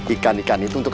ikan ikan itu untuk apa